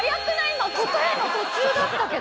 今答えの途中だったけど。